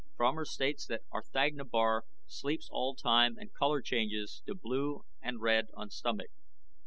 FROMER STATES THAT R'THAGNA BAR SLEEPS ALL TIME AND COLOR CHANGES TO BLUE AND RED ON STOMACH.